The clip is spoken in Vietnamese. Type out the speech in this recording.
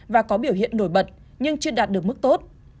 và có biểu hiện nổi bật nhưng chưa đạt được mức tốt